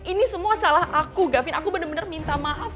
ini semua salah aku gavin aku bener bener minta maaf